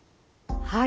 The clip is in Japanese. はい。